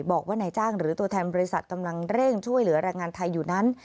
บอกว่านายจ้างหรือตัวแทนบริษัทกำลังเร่งช่วยเหลือแรงงานไทยอยู่นั้น